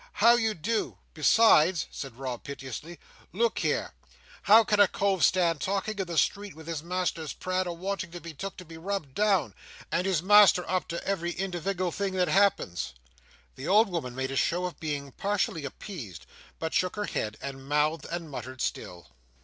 How you do? Besides," said Rob piteously, "look here! How can a cove stand talking in the street with his master's prad a wanting to be took to be rubbed down, and his master up to every individgle thing that happens!" The old woman made a show of being partially appeased, but shook her head, and mouthed and muttered still.